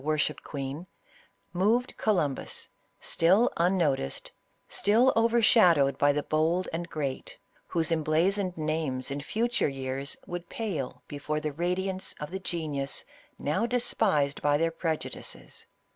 worshipped queen, moved Columbus, still unnoticed, still overshadowed by the bold and great, whose em 'blazoned names in future years would pale before the radiance of the genius now despised by their preju dices.